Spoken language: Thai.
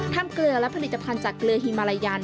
เกลือและผลิตภัณฑ์จากเกลือฮิมาลายัน